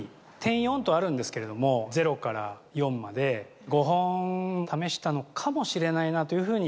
．４とあるんですけども、０から４まで、５本試したのかもしれないなというふうに。